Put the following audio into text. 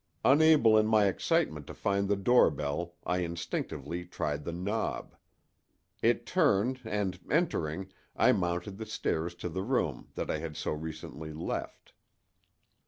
Unable in my excitement to find the doorbell I instinctively tried the knob. It turned and, entering, I mounted the stairs to the room that I had so recently left.